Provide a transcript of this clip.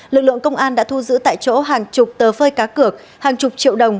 lực lượng công an đã thu giữ tại chỗ hàng chục tờ phơi cá cược hàng chục triệu đồng